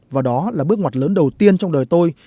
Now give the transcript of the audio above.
và đó là bước ngoặt lớn đầu tiên trong đời tôi